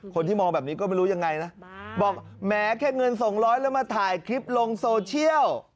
คนที่มองแบบนี้ก็ไม่รู้ยังไงนะบอกแม้แค่เงิน๒๐๐แล้วมาถ่ายคลิปลงโซเชียล